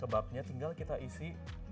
kebabnya tinggal kita isi